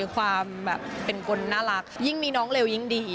เขาน่ารักอยู่แล้ว